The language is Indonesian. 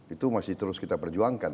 itu masih terus kita perjuangkan